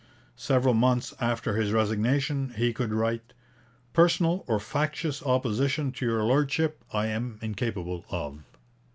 Several months after his resignation he could write, 'personal or factious opposition to your Lordship I am incapable of.'